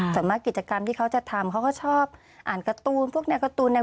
สำหรับกิจกรรมที่เขาจะทำเขาก็ชอบอ่านการ์ตูน